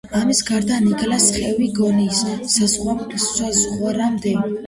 ამის გარდა ნიგალის ხევი გონიოს საზღვრამდე.